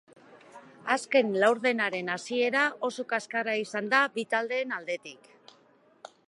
Azken laurdenaren hasiera oso kaskarra izan da bi taldeen aldetik.